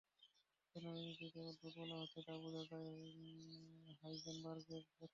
কেন এই নীতিকে অদ্ভুত বলা হচ্ছে, তা বোঝা যায় হাইজেনবার্গের ব্যাখ্যাতেই।